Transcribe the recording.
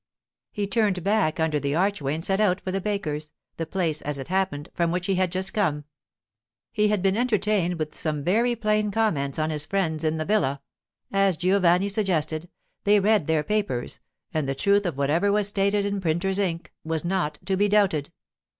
He turned back under the archway and set out for the baker's—the place, as it happened, from which he had just come. He had been entertained there with some very plain comments on his friends in the villa—as Giovanni suggested, they read their papers, and the truth of whatever was stated in printer's ink was not to be doubted.